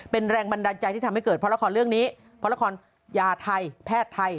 เป็นแรงบันดาลใจที่ทำให้เกิดเพราะละครเรื่องนี้เพราะละครยาไทยแพทย์ไทย